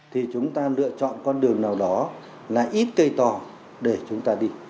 thì chúng ta lựa chọn con đường nào đó là ít cây to để chúng ta đi